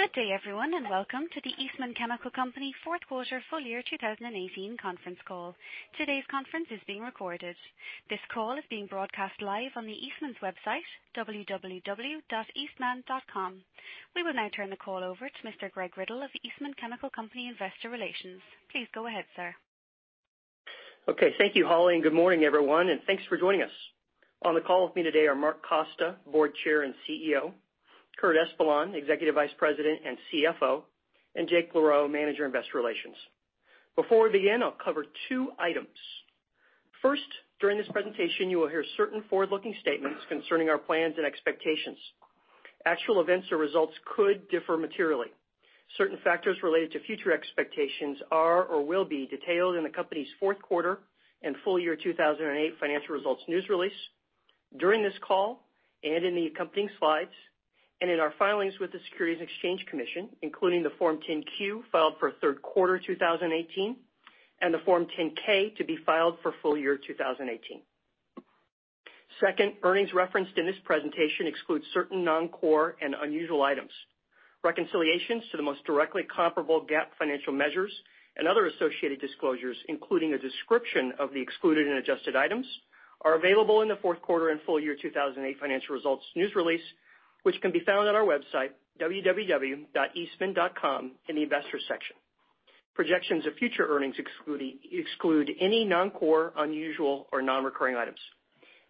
Good day, everyone, and welcome to the Eastman Chemical Company Fourth Quarter Full Year 2018 Conference Call. Today's conference is being recorded. This call is being broadcast live on Eastman's website, www.eastman.com. We will now turn the call over to Mr. Greg Riddle of Eastman Chemical Company Investor Relations. Please go ahead, sir. Okay. Thank you, Holly. Good morning, everyone, and thanks for joining us. On the call with me today are Mark Costa, Board Chair and CEO, Curt Espeland, Executive Vice President and CFO, and Jake LaRoe, Manager, Investor Relations. Before we begin, I'll cover two items. First, during this presentation, you will hear certain forward-looking statements concerning our plans and expectations. Actual events or results could differ materially. Certain factors related to future expectations are or will be detailed in the company's fourth quarter and full year 2018 financial results news release, during this call, in the accompanying slides, and in our filings with the Securities and Exchange Commission, including the Form 10-Q filed for third quarter 2018 and the Form 10-K to be filed for full year 2018. Second, earnings referenced in this presentation exclude certain non-core and unusual items. Reconciliations to the most directly comparable GAAP financial measures and other associated disclosures, including a description of the excluded and adjusted items, are available in the fourth quarter and full year 2018 financial results news release, which can be found on our website, www.eastman.com, in the investors section. Projections of future earnings exclude any non-core, unusual, or non-recurring items.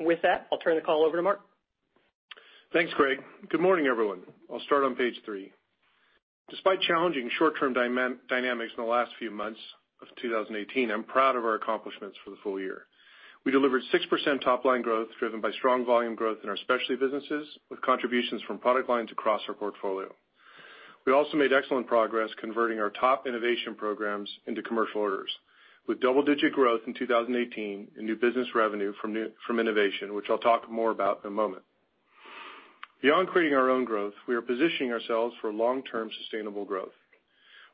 With that, I'll turn the call over to Mark. Thanks, Greg. Good morning, everyone. I'll start on page three. Despite challenging short-term dynamics in the last few months of 2018, I'm proud of our accomplishments for the full year. We delivered 6% top-line growth driven by strong volume growth in our specialty businesses, with contributions from product lines across our portfolio. We also made excellent progress converting our top innovation programs into commercial orders, with double-digit growth in 2018 in new business revenue from innovation, which I'll talk more about in a moment. Beyond creating our own growth, we are positioning ourselves for long-term sustainable growth.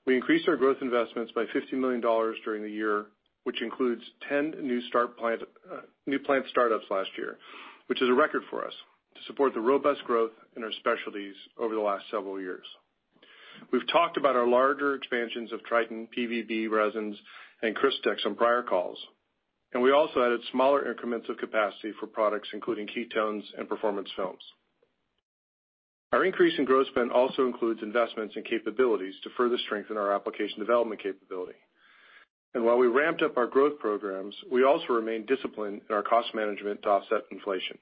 We increased our growth investments by $50 million during the year, which includes 10 new plant startups last year, which is a record for us, to support the robust growth in our specialties over the last several years. We've talked about our larger expansions of Tritan, PVB resins, and Crystex on prior calls. We also added smaller increments of capacity for products including ketones and performance films. Our increase in growth spend also includes investments in capabilities to further strengthen our application development capability. While we ramped up our growth programs, we also remained disciplined in our cost management to offset inflation.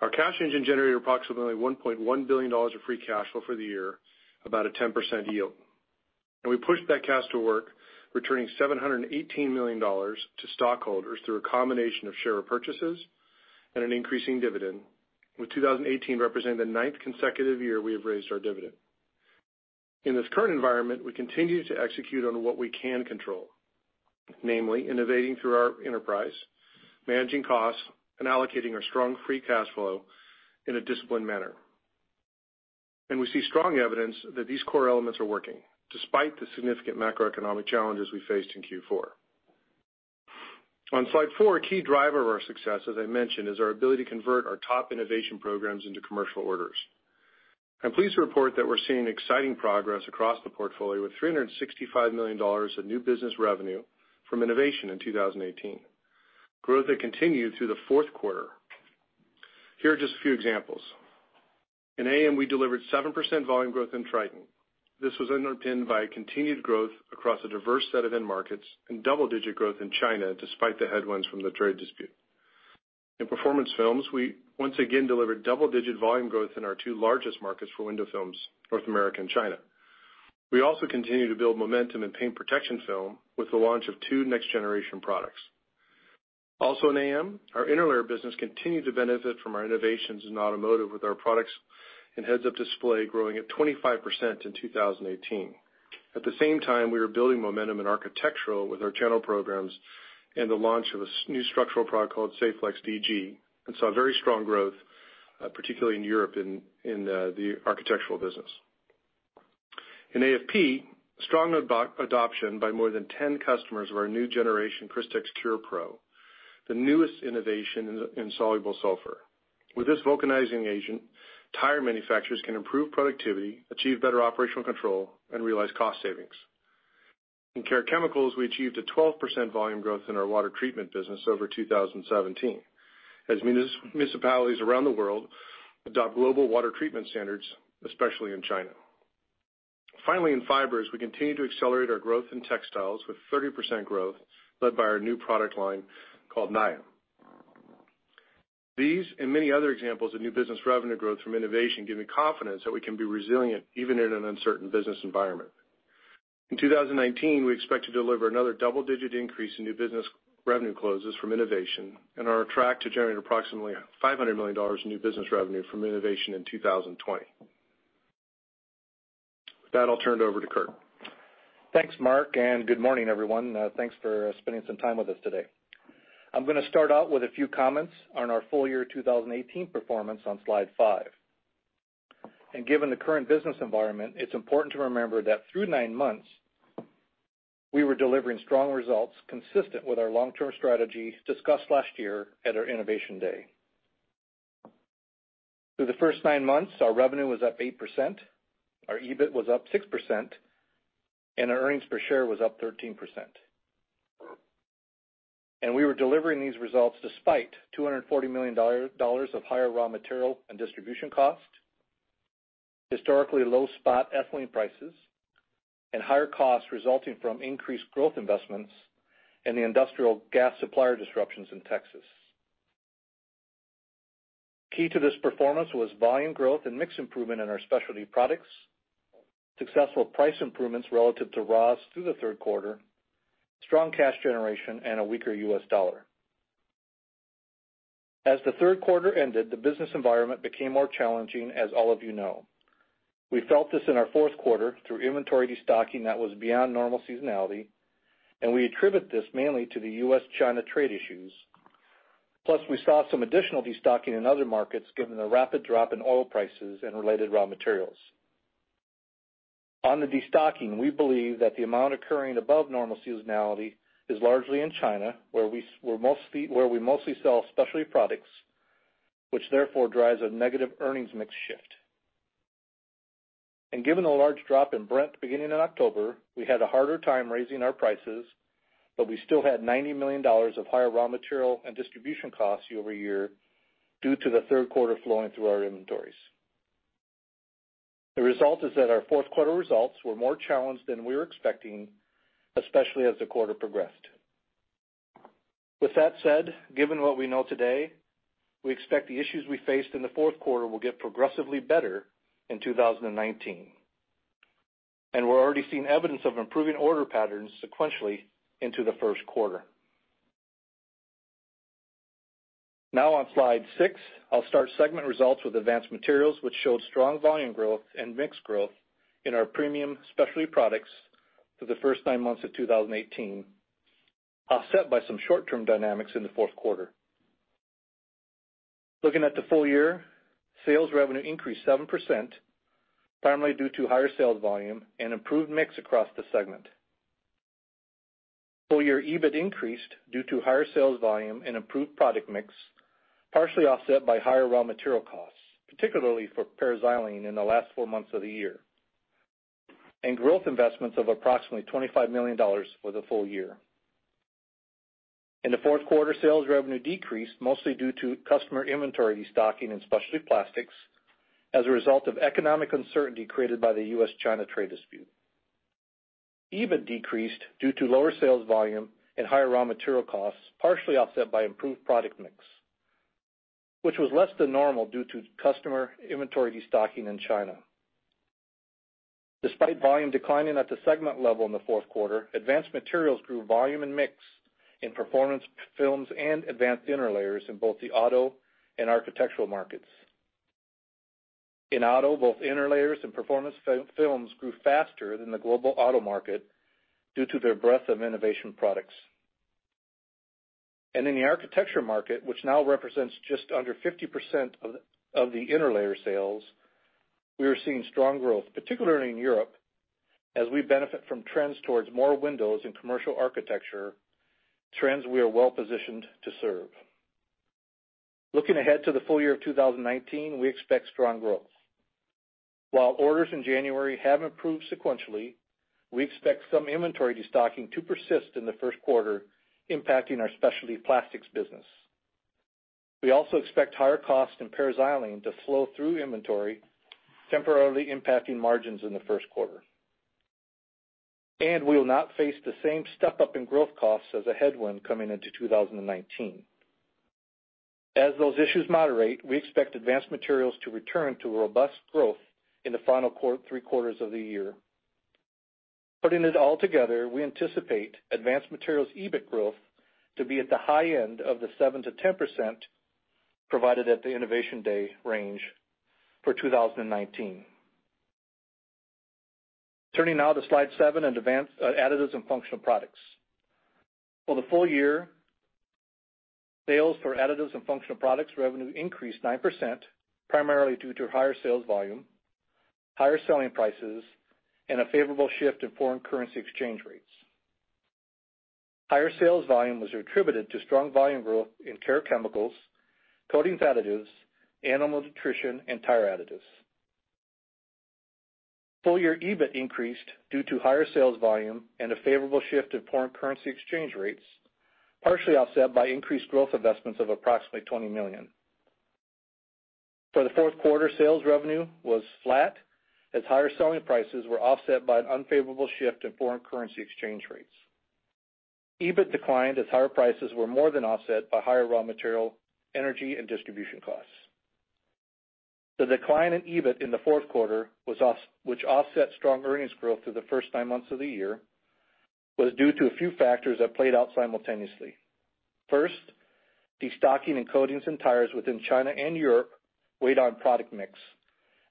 Our cash engine generated approximately $1.1 billion of free cash flow for the year, about a 10% yield. We pushed that cash to work, returning $718 million to stockholders through a combination of share purchases and an increasing dividend, with 2018 representing the ninth consecutive year we have raised our dividend. In this current environment, we continue to execute on what we can control, namely innovating through our enterprise, managing costs, and allocating our strong free cash flow in a disciplined manner. We see strong evidence that these core elements are working, despite the significant macroeconomic challenges we faced in Q4. On slide four, a key driver of our success, as I mentioned, is our ability to convert our top innovation programs into commercial orders. I'm pleased to report that we're seeing exciting progress across the portfolio, with $365 million of new business revenue from innovation in 2018, growth that continued through the fourth quarter. Here are just a few examples. In AM, we delivered 7% volume growth in Tritan. This was underpinned by a continued growth across a diverse set of end markets and double-digit growth in China, despite the headwinds from the trade dispute. In performance films, we once again delivered double-digit volume growth in our two largest markets for window films, North America and China. We also continue to build momentum in paint protection film with the launch of two next-generation products. Also in AM, our interlayer business continued to benefit from our innovations in automotive with our products and heads-up display growing at 25% in 2018. At the same time, we are building momentum in architectural with our channel programs and the launch of a new structural product called Saflex DG, and saw very strong growth, particularly in Europe in the architectural business. In AFP, strong adoption by more than 10 customers of our new generation Crystex Cure Pro, the newest innovation in insoluble sulfur. With this vulcanizing agent, tire manufacturers can improve productivity, achieve better operational control, and realize cost savings. In care chemicals, we achieved a 12% volume growth in our water treatment business over 2017, as municipalities around the world adopt global water treatment standards, especially in China. Finally, in Fibers, we continue to accelerate our growth in textiles with 30% growth led by our new product line called Naia. These and many other examples of new business revenue growth from innovation give me confidence that we can be resilient even in an uncertain business environment. In 2019, we expect to deliver another double-digit increase in new business revenue closes from innovation and are on track to generate approximately $500 million in new business revenue from innovation in 2020. With that, I'll turn it over to Curt. Thanks, Mark, and good morning, everyone. Thanks for spending some time with us today. I'm gonna start out with a few comments on our full year 2018 performance on slide five. Given the current business environment, it's important to remember that through nine months, we were delivering strong results consistent with our long-term strategy discussed last year at our Innovation Day. Through the first nine months, our revenue was up 8%, our EBIT was up 6%, and our earnings per share was up 13%. We were delivering these results despite $240 million of higher raw material and distribution costs, historically low spot ethylene prices, and higher costs resulting from increased growth investments in the industrial gas supplier disruptions in Texas. Key to this performance was volume growth and mix improvement in our specialty products, successful price improvements relative to raws through the third quarter, strong cash generation, and a weaker U.S. dollar. As the third quarter ended, the business environment became more challenging, as all of you know. We felt this in our fourth quarter through inventory destocking that was beyond normal seasonality, and we attribute this mainly to the U.S.-China trade issues. Plus, we saw some additional destocking in other markets given the rapid drop in oil prices and related raw materials. On the destocking, we believe that the amount occurring above normal seasonality is largely in China, where we mostly sell specialty products, which therefore drives a negative earnings mix shift. Given the large drop in Brent beginning in October, we had a harder time raising our prices, but we still had $90 million of higher raw material and distribution costs year-over-year due to the third quarter flowing through our inventories. The result is that our fourth quarter results were more challenged than we were expecting, especially as the quarter progressed. With that said, given what we know today, we expect the issues we faced in the fourth quarter will get progressively better in 2019. We're already seeing evidence of improving order patterns sequentially into the first quarter. Now on slide six, I'll start segment results with Advanced Materials, which showed strong volume growth and mix growth in our premium specialty products for the first nine months of 2018, offset by some short-term dynamics in the fourth quarter. Looking at the full year, sales revenue increased 7%, primarily due to higher sales volume and improved mix across the segment. Full year EBIT increased due to higher sales volume and improved product mix, partially offset by higher raw material costs, particularly for paraxylene in the last four months of the year. Growth investments of approximately $25 million for the full year. In the fourth quarter, sales revenue decreased mostly due to customer inventory destocking in specialty plastics as a result of economic uncertainty created by the U.S.-China trade dispute. EBIT decreased due to lower sales volume and higher raw material costs, partially offset by improved product mix, which was less than normal due to customer inventory destocking in China. Despite volume declining at the segment level in the fourth quarter, Advanced Materials grew volume and mix in performance films and advanced interlayers in both the auto and architectural markets. In auto, both interlayers and performance films grew faster than the global auto market due to their breadth of innovation products. In the architecture market, which now represents just under 50% of the interlayer sales, we are seeing strong growth, particularly in Europe, as we benefit from trends towards more windows in commercial architecture, trends we are well positioned to serve. Looking ahead to the full year of 2019, we expect strong growth. While orders in January have improved sequentially, we expect some inventory destocking to persist in the first quarter, impacting our specialty plastics business. We also expect higher costs in paraxylene to flow through inventory, temporarily impacting margins in the first quarter. We will not face the same step-up in growth costs as a headwind coming into 2019. As those issues moderate, we expect Advanced Materials to return to robust growth in the final three quarters of the year. Putting it all together, we anticipate Advanced Materials EBIT growth to be at the high end of the 7%-10% provided at the Innovation Day range for 2019. Turning now to slide seven and Additives & Functional Products. For the full year, sales for Additives & Functional Products revenue increased 9%, primarily due to higher sales volume, higher selling prices, and a favorable shift in foreign currency exchange rates. Higher sales volume was attributed to strong volume growth in care chemicals, coatings additives, animal nutrition, and tire additives. Full year EBIT increased due to higher sales volume and a favorable shift in foreign currency exchange rates, partially offset by increased growth investments of approximately $20 million. For the fourth quarter, sales revenue was flat as higher selling prices were offset by an unfavorable shift in foreign currency exchange rates. EBIT declined as higher prices were more than offset by higher raw material, energy, and distribution costs. The decline in EBIT in the fourth quarter, which offset strong earnings growth through the first nine months of the year, was due to a few factors that played out simultaneously. First, destocking in coatings and tires within China and Europe weighed on product mix,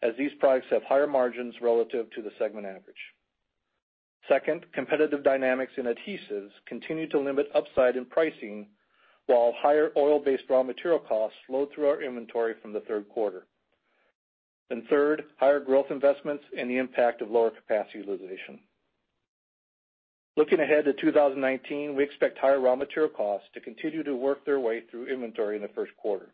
as these products have higher margins relative to the segment average. Second, competitive dynamics in adhesives continued to limit upside in pricing, while higher oil-based raw material costs flowed through our inventory from the third quarter. Third, higher growth investments and the impact of lower capacity utilization. Looking ahead to 2019, we expect higher raw material costs to continue to work their way through inventory in the first quarter.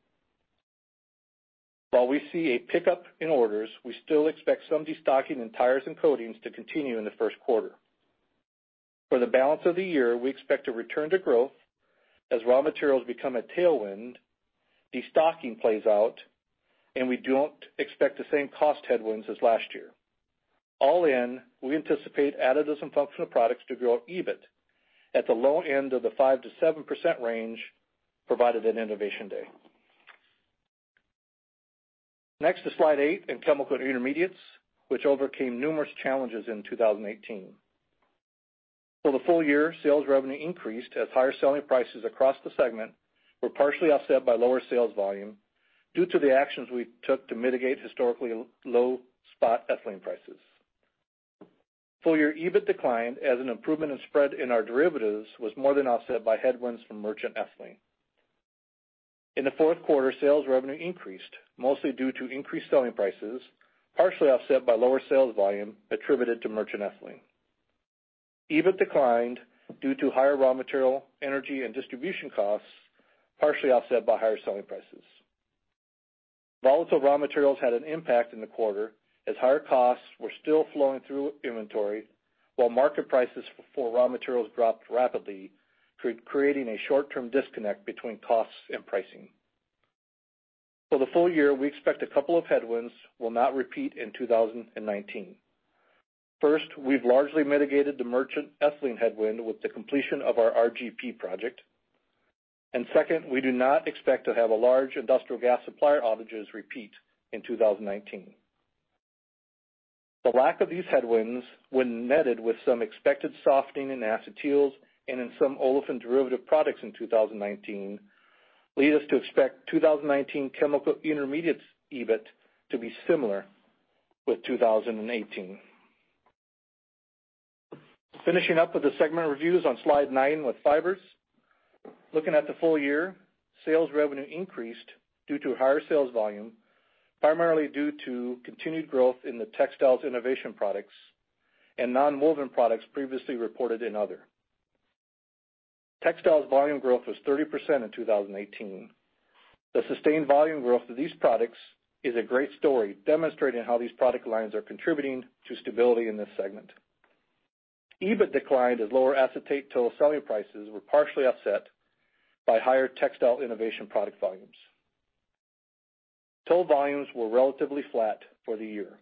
While we see a pickup in orders, we still expect some destocking in tires and coatings to continue in the first quarter. For the balance of the year, we expect to return to growth as raw materials become a tailwind, destocking plays out, and we don't expect the same cost headwinds as last year. All in, we anticipate Additives & Functional Products to grow EBIT at the low end of the 5%-7% range provided at Innovation Day. Next is slide eight in Chemical Intermediates, which overcame numerous challenges in 2018. For the full year, sales revenue increased as higher selling prices across the segment were partially offset by lower sales volume due to the actions we took to mitigate historically low spot ethylene prices. Full year EBIT declined as an improvement in spread in our derivatives was more than offset by headwinds from merchant ethylene. In the fourth quarter, sales revenue increased, mostly due to increased selling prices, partially offset by lower sales volume attributed to merchant ethylene. EBIT declined due to higher raw material, energy, and distribution costs, partially offset by higher selling prices. Volatile raw materials had an impact in the quarter as higher costs were still flowing through inventory while market prices for raw materials dropped rapidly, creating a short-term disconnect between costs and pricing. For the full year, we expect a couple of headwinds will not repeat in 2019. First, we've largely mitigated the merchant ethylene headwind with the completion of our RGP project. Second, we do not expect to have large industrial gas supplier outages repeat in 2019. The lack of these headwinds, when netted with some expected softening in acetyls and in some olefin derivative products in 2019, lead us to expect 2019 Chemical Intermediates EBIT to be similar with 2018. Finishing up with the segment reviews on slide nine with Fibers. Looking at the full year, sales revenue increased due to higher sales volume, primarily due to continued growth in the textiles innovation products and nonwoven products previously reported in other. Textiles volume growth was 30% in 2018. The sustained volume growth of these products is a great story demonstrating how these product lines are contributing to stability in this segment. EBIT declined as lower acetate tow selling prices were partially offset by higher textile innovation product volumes. Tow volumes were relatively flat for the year.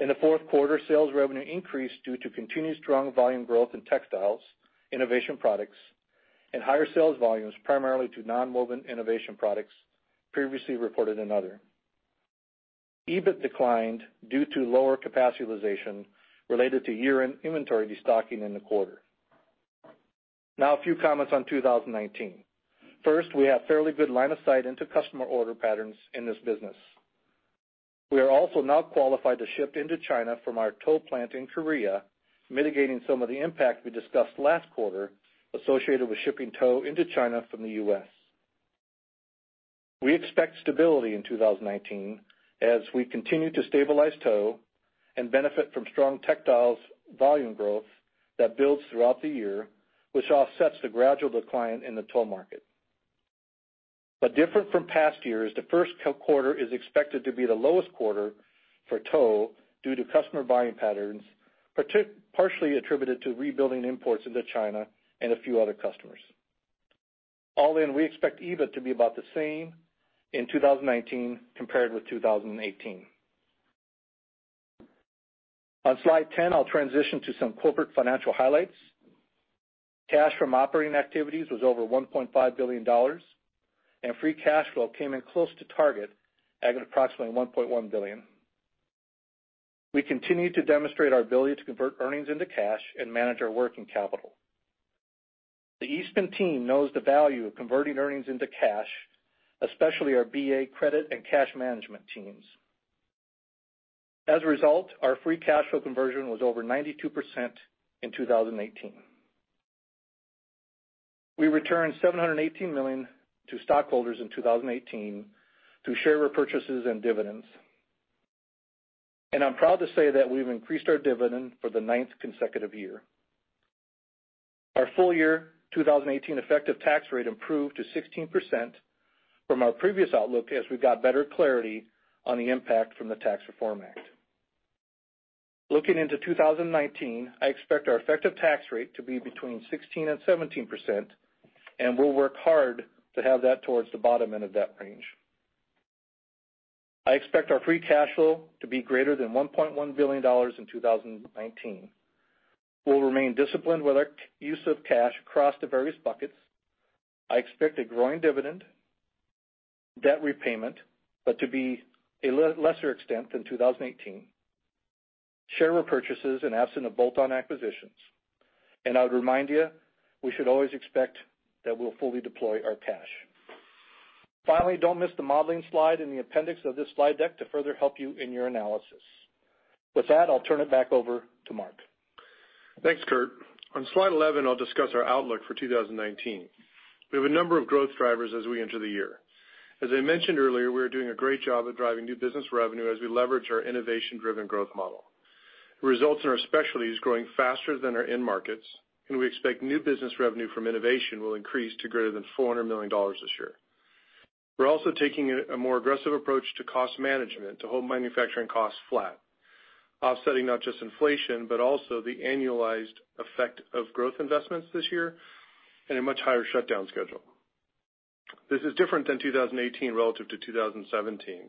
In the fourth quarter, sales revenue increased due to continued strong volume growth in textiles innovation products and higher sales volumes primarily to nonwoven innovation products previously reported in other. EBIT declined due to lower capacity utilization related to year-end inventory destocking in the quarter. Now, a few comments on 2019. First, we have fairly good line of sight into customer order patterns in this business. We are also now qualified to ship into China from our tow plant in Korea, mitigating some of the impact we discussed last quarter associated with shipping tow into China from the U.S. We expect stability in 2019, as we continue to stabilize tow and benefit from strong textiles volume growth that builds throughout the year that will set the gradual decline in the tow market. Different from past years, the first quarter is expected to be the lowest quarter for tow due to customer buying patterns, partially attributed to rebuilding imports into China and a few other customers. All in, we expect EBIT to be about the same in 2019 compared with 2018. On slide 10, I'll transition to some corporate financial highlights. Cash from operating activities was over $1.5 billion, and free cash flow came in close to target at approximately $1.1 billion. We continue to demonstrate our ability to convert earnings into cash and manage our working capital. The Eastman team knows the value of converting earnings into cash, especially our BA credit and cash management teams. As a result, our free cash flow conversion was over 92% in 2018. We returned $718 million to stockholders in 2018 through share repurchases and dividends. I'm proud to say that we've increased our dividend for the ninth consecutive year. Our full year 2018 effective tax rate improved to 16% from our previous outlook as we got better clarity on the impact from the Tax Reform Act. Looking into 2019, I expect our effective tax rate to be between 16% and 17%, and we'll work hard to have that towards the bottom end of that range. I expect our free cash flow to be greater than $1.1 billion in 2019. We'll remain disciplined with our use of cash across the various buckets. I expect a growing dividend, debt repayment, but to be a lesser extent than 2018. Share repurchases in absence of bolt-on acquisitions. I would remind you, we should always expect that we'll fully deploy our cash. Finally, don't miss the modeling slide in the appendix of this slide deck to further help you in your analysis. With that, I'll turn it back over to Mark. Thanks, Curt. On slide 11, I'll discuss our outlook for 2019. We have a number of growth drivers as we enter the year. As I mentioned earlier, we are doing a great job at driving new business revenue as we leverage our innovation-driven growth model. The results in our specialties growing faster than our end markets, and we expect new business revenue from innovation will increase to greater than $400 million this year. We're also taking a more aggressive approach to cost management to hold manufacturing costs flat, offsetting not just inflation, but also the annualized effect of growth investments this year and a much higher shutdown schedule. This is different than 2018 relative to 2017,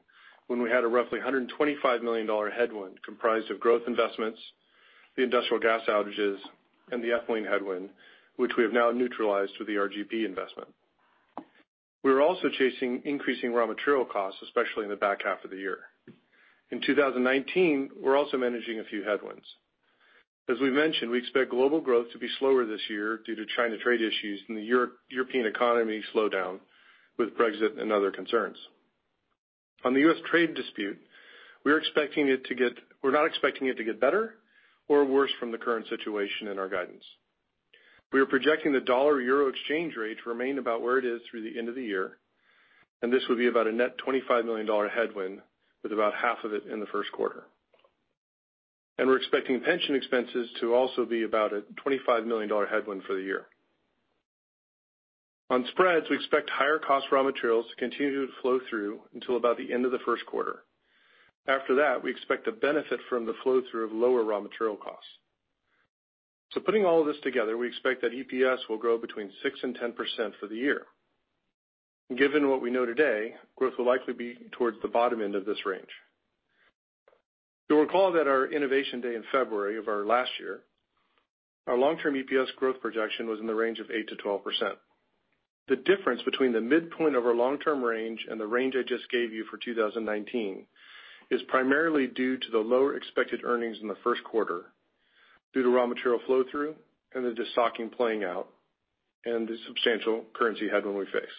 when we had a roughly $125 million headwind comprised of growth investments, the industrial gas outages, and the ethylene headwind, which we have now neutralized with the RGP investment. We are also chasing increasing raw material costs, especially in the back half of the year. In 2019, we're also managing a few headwinds. As we mentioned, we expect global growth to be slower this year due to China trade issues and the European economy slowdown with Brexit and other concerns. On the U.S. trade dispute, we're not expecting it to get better or worse from the current situation in our guidance. We are projecting the dollar-euro exchange rate to remain about where it is through the end of the year, and this will be about a net $25 million headwind, with about half of it in the first quarter. We're expecting pension expenses to also be about a $25 million headwind for the year. On spreads, we expect higher cost raw materials to continue to flow through until about the end of the first quarter. After that, we expect to benefit from the flow-through of lower raw material costs. Putting all of this together, we expect that EPS will grow between 6% and 10% for the year. Given what we know today, growth will likely be towards the bottom end of this range. You'll recall that our Innovation Day in February of our last year, our long-term EPS growth projection was in the range of 8%-12%. The difference between the midpoint of our long-term range and the range I just gave you for 2019 is primarily due to the lower expected earnings in the first quarter due to raw material flow-through and the destocking playing out, and the substantial currency headwind we face.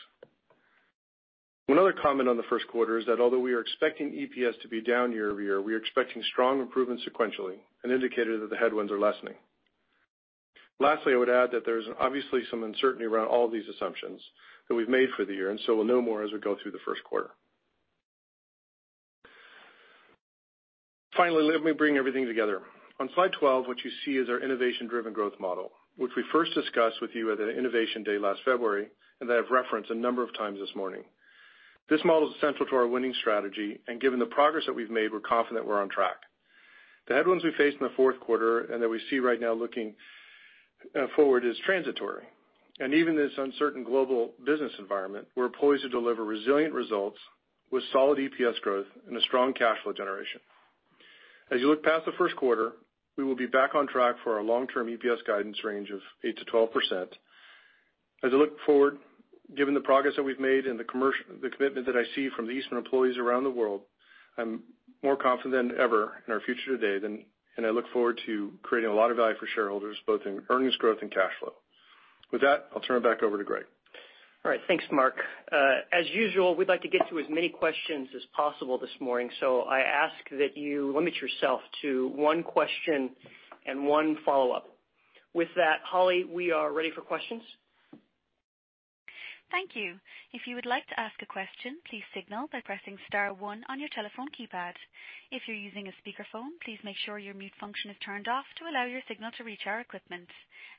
One other comment on the first quarter is that although we are expecting EPS to be down year-over-year, we are expecting strong improvement sequentially, an indicator that the headwinds are lessening. Lastly, I would add that there's obviously some uncertainty around all of these assumptions that we've made for the year. We'll know more as we go through the first quarter. Finally, let me bring everything together. On slide 12, what you see is our innovation-driven growth model, which we first discussed with you at an Innovation Day last February, and that I've referenced a number of times this morning. This model is central to our winning strategy. Given the progress that we've made, we're confident we're on track. The headwinds we faced in the fourth quarter and that we see right now looking forward is transitory. Even in this uncertain global business environment, we're poised to deliver resilient results with solid EPS growth and a strong cash flow generation. As you look past the first quarter, we will be back on track for our long-term EPS guidance range of 8%-12%. As I look forward, given the progress that we've made and the commitment that I see from the Eastman employees around the world, I'm more confident than ever in our future today. I look forward to creating a lot of value for shareholders, both in earnings growth and cash flow. With that, I'll turn it back over to Greg. All right. Thanks, Mark. As usual, we'd like to get to as many questions as possible this morning. I ask that you limit yourself to one question and one follow-up. With that, Holly, we are ready for questions. Thank you. If you would like to ask a question, please signal by pressing star one on your telephone keypad. If you're using a speakerphone, please make sure your mute function is turned off to allow your signal to reach our equipment.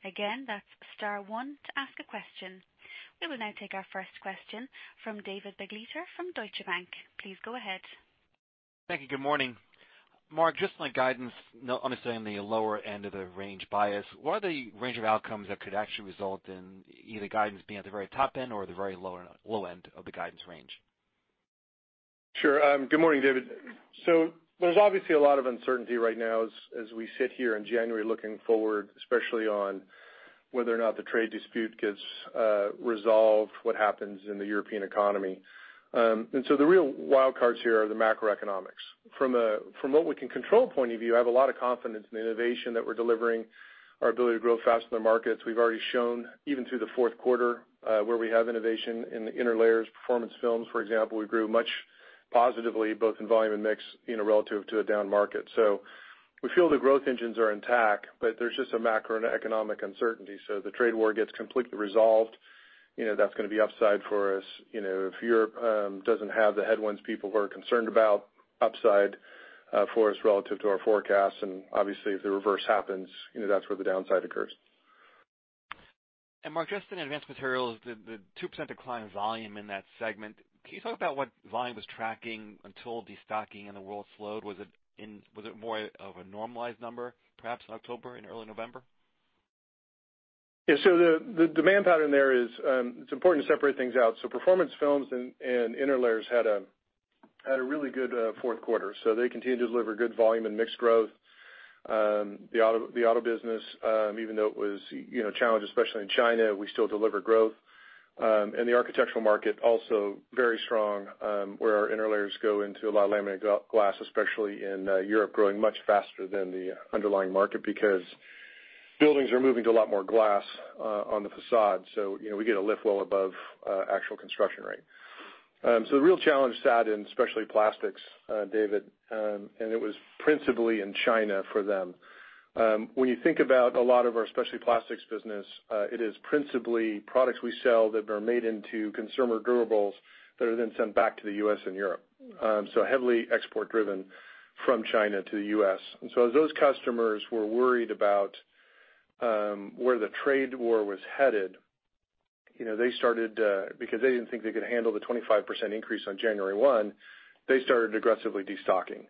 Again, that's star one to ask a question. We will now take our first question from David Begleiter from Deutsche Bank. Please go ahead. Thank you. Good morning. Mark, just on the guidance, I want to understand the lower end of the range. What if they measure outcome could actually result in you know, the guidance being the very top end or the very low end of the guidance range? Sure. Good morning, David. There's obviously a lot of uncertainty right now as we sit here in January looking forward, especially on whether or not the trade dispute gets resolved, what happens in the European economy. The real wild cards here are the macroeconomics. From a what we can control point of view, I have a lot of confidence in the innovation that we're delivering, our ability to grow faster than markets. We've already shown even through the fourth quarter, where we have innovation in the interlayers performance films, for example, we grew much positively both in volume and mix relative to a down market. We feel the growth engines are intact, but there's just a macroeconomic uncertainty. The trade war gets completely resolved, that's going to be upside for us. If Europe doesn't have the headwinds people were concerned about, upside for us relative to our forecasts. Obviously if the reverse happens, that's where the downside occurs. Mark, just in Advanced Materials, the 2% decline in volume in that segment, can you talk about what volume was tracking until destocking and the world slowed? Was it more of a normalized number, perhaps in October and early November? Yeah, the demand pattern there is it's important to separate things out. Performance films and interlayers had a really good fourth quarter. They continue to deliver good volume and mixed growth. The auto business, even though it was challenged, especially in China, we still delivered growth. The architectural market, also very strong, where our interlayers go into a lot of laminated glass, especially in Europe, growing much faster than the underlying market because buildings are moving to a lot more glass on the façade. We get a lift well above actual construction rate. The real challenge sat in specialty plastics, David, and it was principally in China for them. When you think about a lot of our specialty plastics business, it is principally products we sell that are made into consumer durables that are then sent back to the U.S. and Europe. Heavily export driven from China to the U.S. As those customers were worried about where the trade war was headed, because they didn't think they could handle the 25% increase on January 1, they started aggressively destocking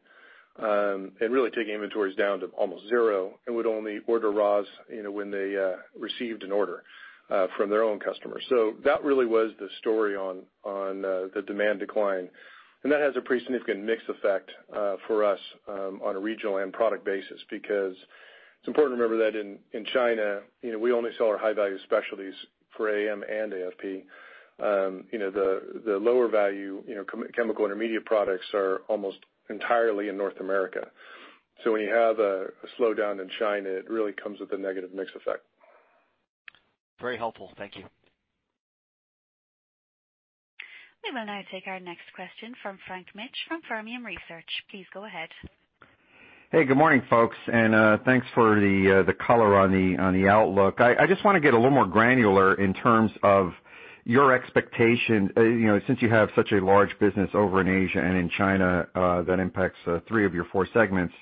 and really taking inventories down to almost zero and would only order raws when they received an order from their own customers. That really was the story on the demand decline, and that has a pretty significant mix effect for us on a regional and product basis because it's important to remember that in China, we only sell our high-value specialties for AM and AFP. The lower value Chemical Intermediate products are almost entirely in North America. When you have a slowdown in China, it really comes with a negative mix effect. Very helpful. Thank you. We will now take our next question from Frank Mitsch from Fermium Research. Please go ahead. Hey, good morning, folks, and thanks for the color on the outlook. I just want to get a little more granular in terms of your expectation, since you have such a large business over in Asia and in China that impacts three of your four segments.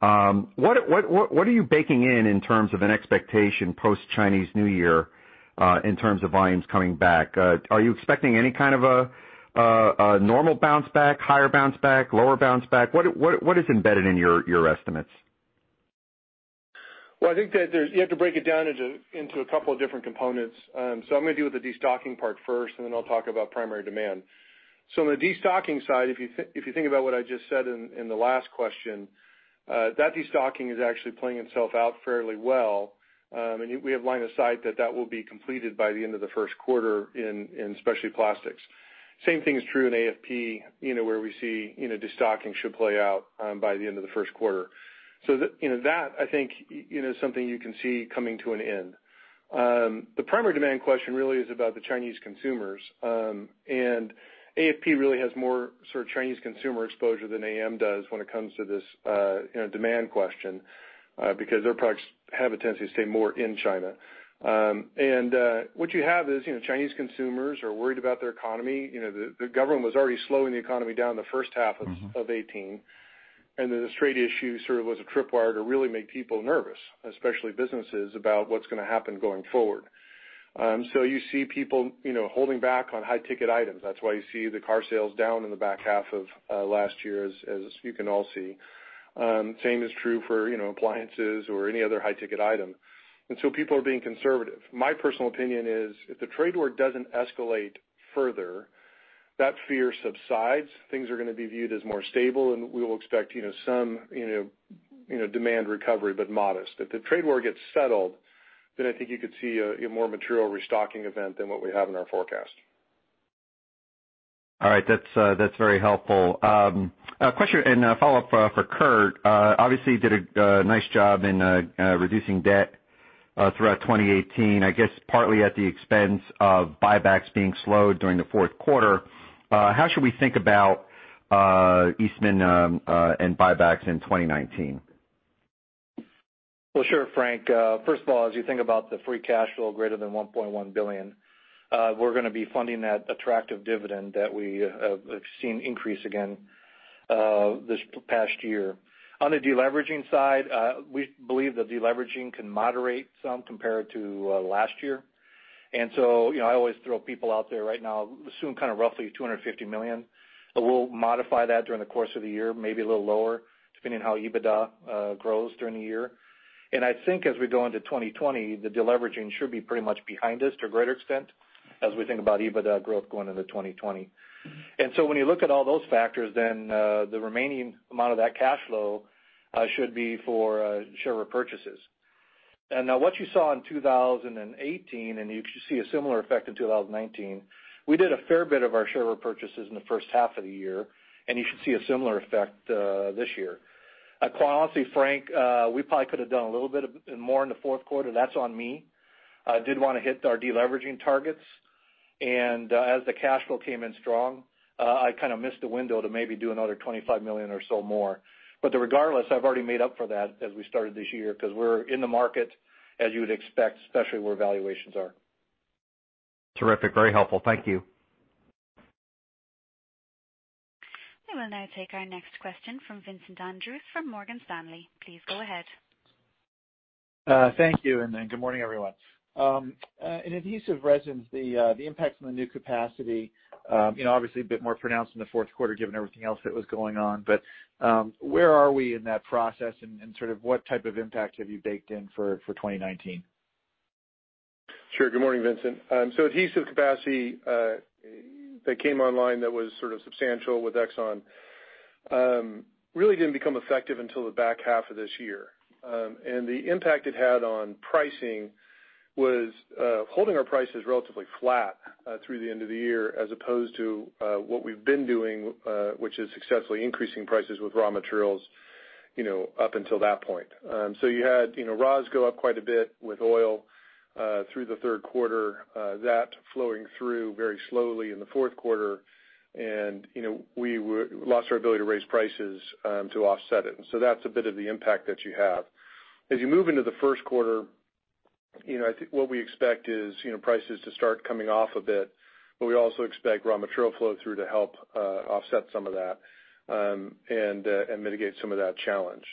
What are you baking in terms of an expectation post-Chinese New Year, in terms of volumes coming back? Are you expecting any kind of a normal bounce back, higher bounce back, lower bounce back? What is embedded in your estimates? Well, I think that you have to break it down into a couple of different components. I'm going to deal with the destocking part first, then I'll talk about primary demand. On the destocking side, if you think about what I just said in the last question, that destocking is actually playing itself out fairly well. We have line of sight that that will be completed by the end of the first quarter in specialty plastics. Same thing is true in AFP, where we see destocking should play out by the end of the first quarter. That I think is something you can see coming to an end. The primary demand question really is about the Chinese consumers. AFP really has more sort of Chinese consumer exposure than AM does when it comes to this demand question because their products have a tendency to stay more in China. What you have is Chinese consumers are worried about their economy. The government was already slowing the economy down in the first half of 2018, this trade issue sort of was a tripwire to really make people nervous, especially businesses, about what's going to happen going forward. You see people holding back on high ticket items. That's why you see the car sales down in the back half of last year, as you can all see. Same is true for appliances or any other high ticket item. People are being conservative. My personal opinion is if the trade war doesn't escalate further, that fear subsides. Things are going to be viewed as more stable and we will expect some demand recovery, but modest. If the trade war gets settled, I think you could see a more material restocking event than what we have in our forecast. All right. That's very helpful. A question and a follow-up for Curt. Obviously, you did a nice job in reducing debt throughout 2018, I guess partly at the expense of buybacks being slowed during the fourth quarter. How should we think about Eastman and buybacks in 2019? Sure, Frank. First of all, as you think about the free cash flow greater than $1.1 billion, we're going to be funding that attractive dividend that we have seen increase again this past year. On the deleveraging side, we believe that deleveraging can moderate some compared to last year. I always throw people out there right now, assume kind of roughly $250 million, but we'll modify that during the course of the year, maybe a little lower, depending on how EBITDA grows during the year. I think as we go into 2020, the deleveraging should be pretty much behind us to a greater extent as we think about EBITDA growth going into 2020. When you look at all those factors, the remaining amount of that cash flow should be for share repurchases. Now what you saw in 2018, and you should see a similar effect in 2019, we did a fair bit of our share repurchases in the first half of the year, and you should see a similar effect this year. Quite honestly, Frank, we probably could have done a little bit more in the fourth quarter. That's on me. I did want to hit our deleveraging targets, and as the cash flow came in strong, I kind of missed the window to maybe do another $25 million or so more. Regardless, I've already made up for that as we started this year because we're in the market as you would expect, especially where valuations are. Terrific. Very helpful. Thank you. We will now take our next question from Vincent Andrews from Morgan Stanley. Please go ahead. Thank you, and good morning, everyone. In adhesive resins, the impact from the new capacity, obviously a bit more pronounced in the fourth quarter given everything else that was going on, where are we in that process and sort of what type of impact have you baked in for 2019? Sure. Good morning, Vincent. Adhesive capacity that came online that was sort of substantial with Exxon really didn't become effective until the back half of this year. The impact it had on pricing was holding our prices relatively flat through the end of the year as opposed to what we've been doing, which is successfully increasing prices with raw materials up until that point. You had raws go up quite a bit with oil through the third quarter, that flowing through very slowly in the fourth quarter, we lost our ability to raise prices to offset it. That's a bit of the impact that you have. As you move into the first quarter, I think what we expect is prices to start coming off a bit, we also expect raw material flow through to help offset some of that and mitigate some of that challenge.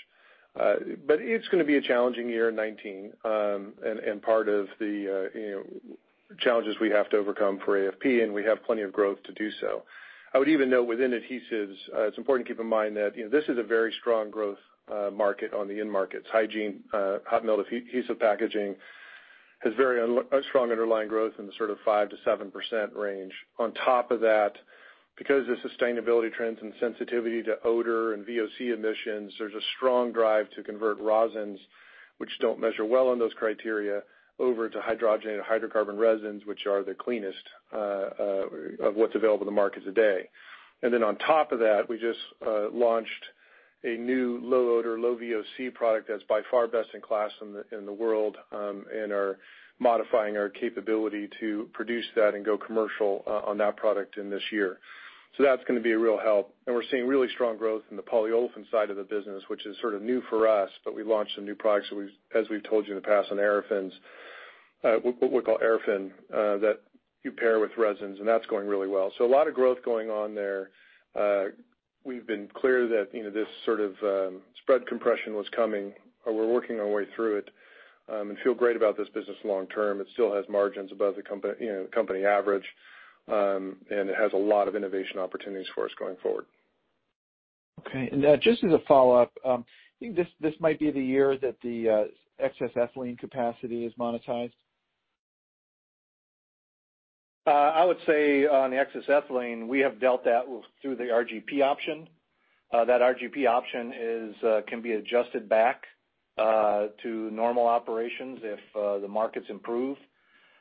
It's going to be a challenging year 2019, part of the challenges we have to overcome for AFP, we have plenty of growth to do so. I would even note within adhesives, it's important to keep in mind that this is a very strong growth market on the end markets. Hygiene, hot melt adhesive packaging has very strong underlying growth in the sort of 5%-7% range. On top of that, because of sustainability trends and sensitivity to odor and VOC emissions, there's a strong drive to convert rosins, which don't measure well on those criteria, over to hydrogen and hydrocarbon resins, which are the cleanest of what's available in the markets today. On top of that, we just launched a new low odor, low VOC product that's by far best in class in the world, and are modifying our capability to produce that and go commercial on that product in this year. That's going to be a real help. We're seeing really strong growth in the polyolefin side of the business, which is sort of new for us, but we launched some new products as we've told you in the past on Aerafin, what we call Aerafin that you pair with resins, and that's going really well. A lot of growth going on there. We've been clear that this sort of spread compression was coming, but we're working our way through it and feel great about this business long term. It still has margins above the company average, and it has a lot of innovation opportunities for us going forward. Okay. Just as a follow-up, do you think this might be the year that the excess ethylene capacity is monetized? I would say on the excess ethylene, we have dealt that through the RGP option. That RGP option can be adjusted back to normal operations if the markets improve.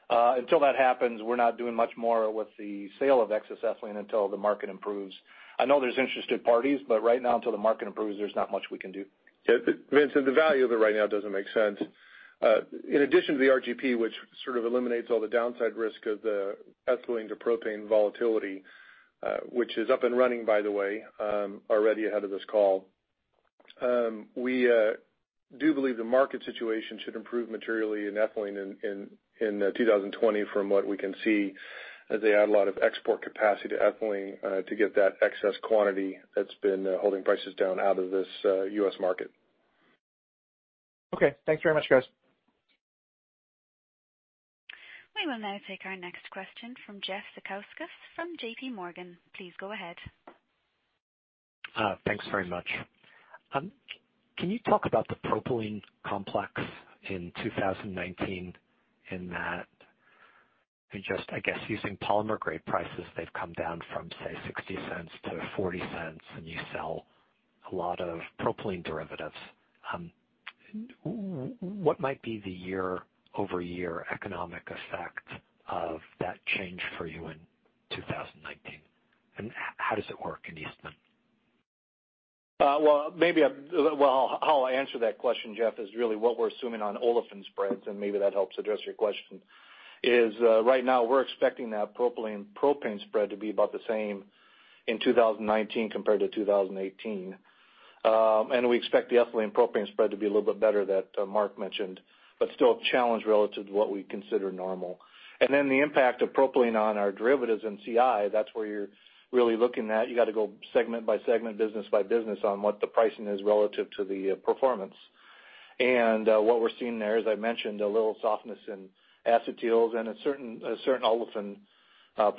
Until that happens, we're not doing much more with the sale of excess ethylene until the market improves. I know there's interested parties, but right now, until the market improves, there's not much we can do. Yeah. Vincent, the value of it right now doesn't make sense. In addition to the RGP, which sort of eliminates all the downside risk of the ethylene to propane volatility, which is up and running by the way, already ahead of this call. We do believe the market situation should improve materially in ethylene in 2020 from what we can see, as they add a lot of export capacity to ethylene to get that excess quantity that's been holding prices down out of this U.S. market. Okay. Thanks very much, guys. We will now take our next question from Jeff Zekauskas from JPMorgan. Please go ahead. Thanks very much. Can you talk about the propylene complex in 2019 in that just, I guess using polymer grade prices, they've come down from, say, $0.60 to $0.40, and you sell a lot of propylene derivatives. What might be the year-over-year economic effect of that change for you in 2019, and how does it work in Eastman? Well, how I'll answer that question, Jeff, is really what we're assuming on olefin spreads, maybe that helps address your question. Right now we're expecting that propylene propane spread to be about the same in 2019 compared to 2018. We expect the ethylene propane spread to be a little bit better that Mark mentioned, but still a challenge relative to what we consider normal. The impact of propylene on our derivatives in CI, that's where you're really looking at. You got to go segment by segment, business by business on what the pricing is relative to the performance. What we're seeing there, as I mentioned, a little softness in acetyls and certain olefin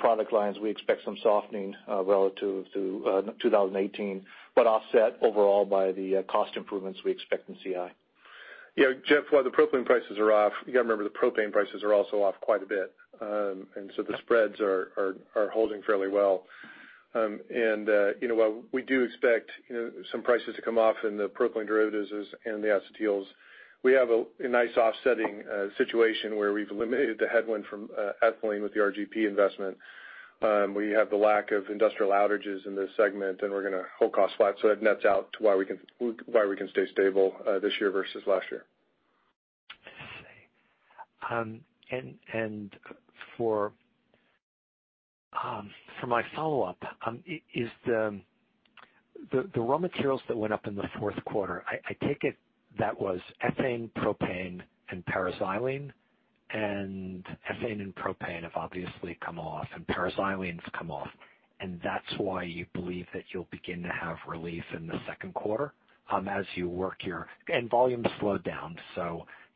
product lines we expect some softening relative to 2018, but offset overall by the cost improvements we expect in CI. Yeah, Jeff, while the propylene prices are off, you got to remember the propane prices are also off quite a bit. The spreads are holding fairly well. While we do expect some prices to come off in the propylene derivatives and the acetyls, we have a nice offsetting situation where we've eliminated the headwind from ethylene with the RGP investment. We have the lack of industrial outages in this segment, we're going to hold cost flat, that nets out to why we can stay stable this year versus last year. I see. For my follow-up, the raw materials that went up in the fourth quarter, I take it that was ethane, propane, and paraxylene. Ethane and propane have obviously come off, paraxylene's come off. That's why you believe that you'll begin to have relief in the second quarter as you work. Volumes slowed down,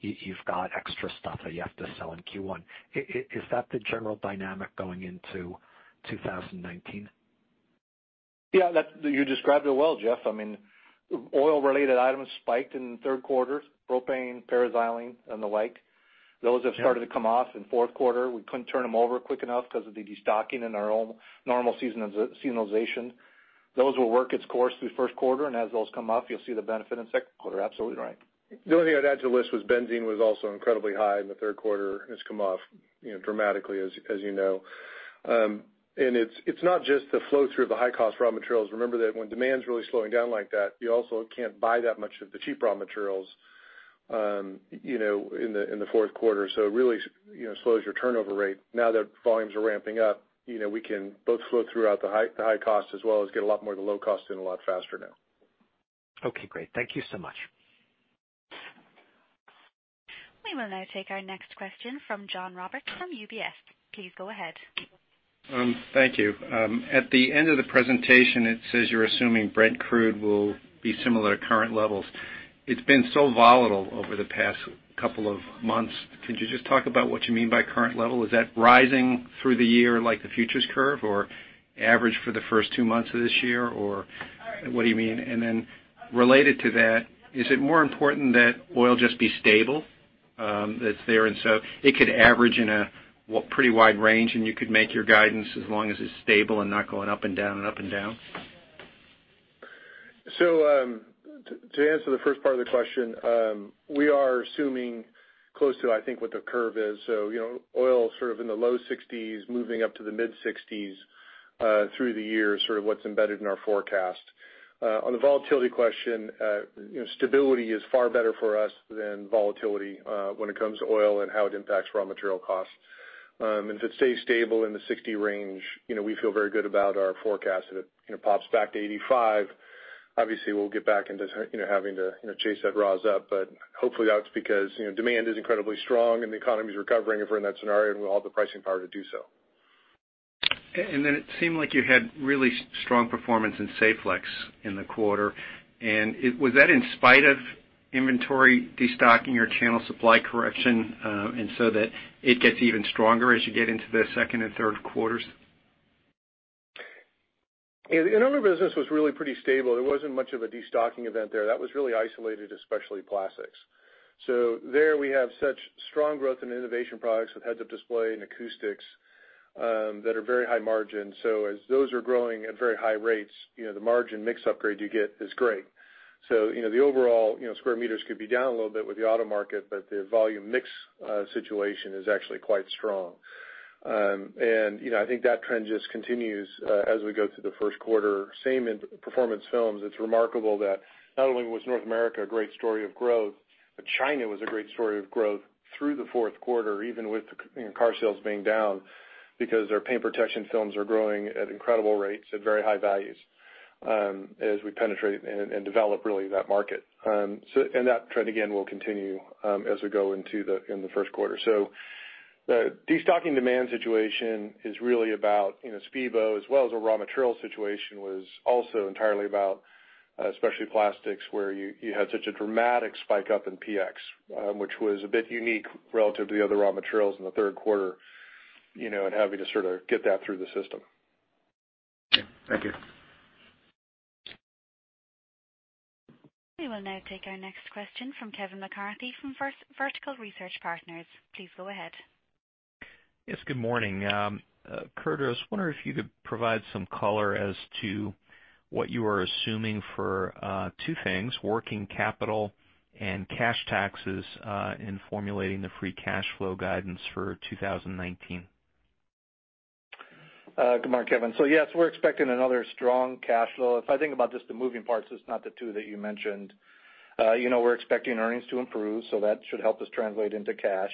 you've got extra stuff that you have to sell in Q1. Is that the general dynamic going into 2019? Yeah, you described it well, Jeff. Oil-related items spiked in the third quarter, propane, paraxylene, and the like. Those have started to come off in fourth quarter. We couldn't turn them over quick enough because of the destocking and our own normal seasonalization. Those will work its course through the first quarter, as those come off, you'll see the benefit in second quarter. Absolutely right. The only thing I'd add to the list was benzene was also incredibly high in the third quarter, and it's come off dramatically, as you know. It's not just the flow-through of the high-cost raw materials. Remember that when demand's really slowing down like that, you also can't buy that much of the cheap raw materials in the fourth quarter. It really slows your turnover rate. Now that volumes are ramping up, we can both flow throughout the high cost as well as get a lot more of the low cost in a lot faster now. Okay, great. Thank you so much. We will now take our next question from John Roberts from UBS. Please go ahead. Thank you. At the end of the presentation, it says you're assuming Brent crude will be similar to current levels. It's been so volatile over the past couple of months. Could you just talk about what you mean by current level? Is that rising through the year, like the futures curve, or average for the first two months of this year, or what do you mean? Then related to that, is it more important that oil just be stable? That it's there, and so it could average in a pretty wide range, and you could make your guidance as long as it's stable and not going up and down and up and down? To answer the first part of the question, we are assuming close to, I think, what the curve is. Oil sort of in the low 60s, moving up to the mid 60s, through the year, sort of what's embedded in our forecast. On the volatility question, stability is far better for us than volatility when it comes to oil and how it impacts raw material costs. If it stays stable in the 60 range, we feel very good about our forecast. If it pops back to 85, obviously, we'll get back into having to chase that raws up, hopefully that's because demand is incredibly strong and the economy's recovering. If we're in that scenario, we have the pricing power to do so. It seemed like you had really strong performance in Saflex in the quarter. Was that in spite of inventory destocking or channel supply correction, that it gets even stronger as you get into the second and third quarters? The overall business was really pretty stable. There wasn't much of a destocking event there. That was really isolated, specialty plastics. There we have such strong growth in innovation products with heads-up display and acoustics, that are very high margin. As those are growing at very high rates, the margin mix upgrade you get is great. The overall square meters could be down a little bit with the auto market, the volume mix situation is actually quite strong. I think that trend just continues as we go through the first quarter. Same in performance films. It's remarkable that not only was North America a great story of growth, China was a great story of growth through the fourth quarter, even with car sales being down, because their paint protection films are growing at incredible rates at very high values, as we penetrate and develop really that market. That trend, again, will continue as we go in the first quarter. The destocking demand situation is really about specialty as well as a raw material situation was also entirely about, specialty plastics, where you had such a dramatic spike up in PX, which was a bit unique relative to the other raw materials in the third quarter, having to sort of get that through the system. Okay. Thank you. We will now take our next question from Kevin McCarthy from Vertical Research Partners. Please go ahead. Yes, good morning. Curtis, I was wondering if you could provide some color as to what you are assuming for two things, working capital and cash taxes, in formulating the free cash flow guidance for 2019. Good morning, Kevin. Yes, we're expecting another strong cash flow. If I think about just the moving parts, it's not the two that you mentioned. We're expecting earnings to improve, so that should help us translate into cash,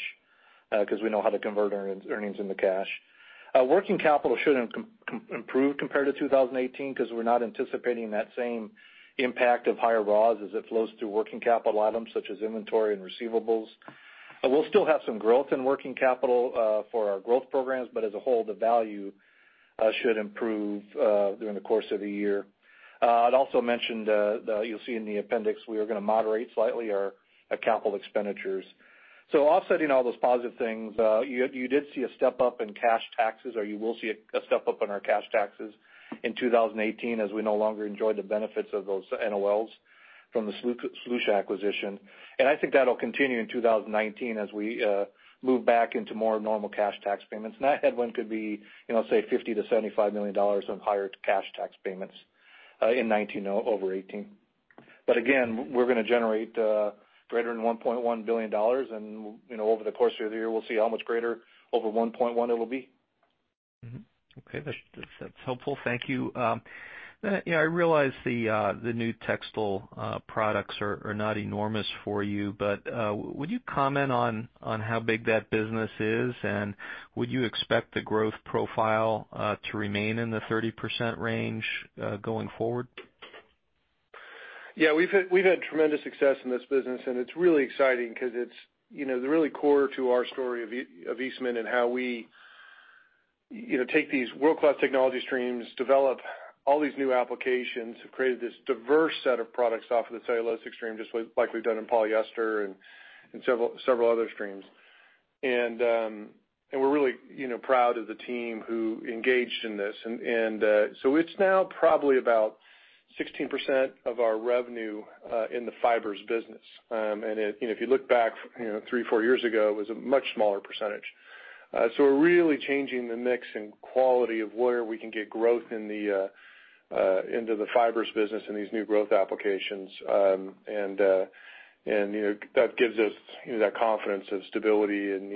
because we know how to convert earnings into cash. Working capital should improve compared to 2018 because we're not anticipating that same impact of higher raws as it flows through working capital items such as inventory and receivables. We'll still have some growth in working capital for our growth programs, but as a whole, the value should improve during the course of the year. I'd also mentioned, you'll see in the appendix, we are going to moderate slightly our capital expenditures. Offsetting all those positive things, you did see a step-up in cash taxes, or you will see a step-up in our cash taxes in 2018 as we no longer enjoy the benefits of those NOLs from the Solutia acquisition. I think that'll continue in 2019 as we move back into more normal cash tax payments. That headwind could be, say, $50 million-$75 million of higher cash tax payments in 2019 over 2018. Again, we're going to generate greater than $1.1 billion, and over the course of the year, we'll see how much greater over $1.1 billion it will be. Okay. That's helpful. Thank you. I realize the new textile products are not enormous for you, would you comment on how big that business is, and would you expect the growth profile to remain in the 30% range going forward? We've had tremendous success in this business, it's really exciting because it's really core to our story of Eastman and how we take these world-class technology streams, develop all these new applications, have created this diverse set of products off of the cellulosic stream, just like we've done in polyester and several other streams. We're really proud of the team who engaged in this. It's now probably about 16% of our revenue in the Fibers business. If you look back three, four years ago, it was a much smaller percentage. We're really changing the mix and quality of where we can get growth into the Fibers business and these new growth applications. That gives us that confidence and stability and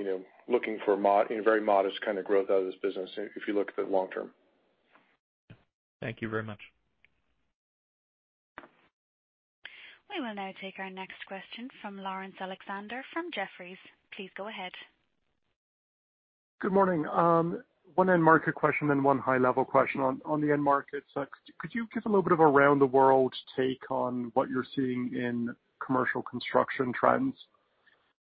looking for a very modest kind of growth out of this business if you look at the long term. Thank you very much. We will now take our next question from Laurence Alexander from Jefferies. Please go ahead. Good morning. One end market question and one high level question. On the end markets, could you give a little bit of around the world take on what you're seeing in commercial construction trends?